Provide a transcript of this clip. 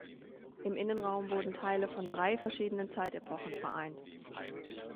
Im Innenraum wurden Teile von drei verschiedenen Zeitepochen vereint.